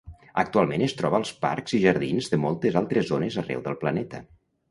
Actualment es troba als parcs i jardins de moltes altres zones arreu del planeta.